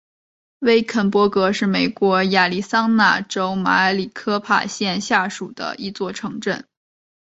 威肯勃格是美国亚利桑那州马里科帕县下属的一座城镇。